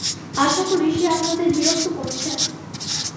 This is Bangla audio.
আশা করি, সে আপনাদের বিরক্ত করছে না।